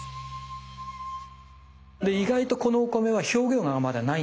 で意外とこのお米は表現がまだないんですね。